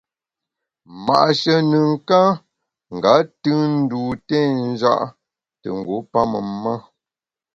Ma’she nùn ka nga tùn ndû té nja’ te ngu pamem ma.